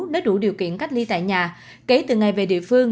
đã đủ điều kiện cách ly tại nhà kể từ ngày về địa phương